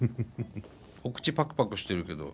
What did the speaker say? お口パクパクしてるけど。